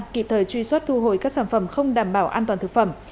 kịp thời truy xuất thu hồi các sản phẩm không đảm bảo an toàn thực phẩm